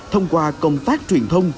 thông qua công tác truyền thông